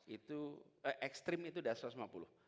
itu ekstrim itu sudah satu ratus lima puluh